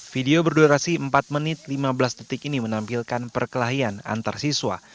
video berdurasi empat menit lima belas detik ini menampilkan perkelahian antarsiswa